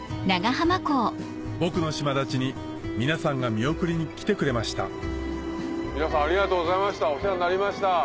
僕の島立ちに皆さんが見送りに来てくれました皆さんありがとうございましたお世話になりました。